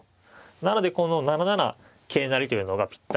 なのでこの７七桂成というのがぴったり。